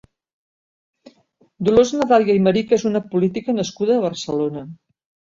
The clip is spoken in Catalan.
Dolors Nadal i Aymerich és una política nascuda a Barcelona.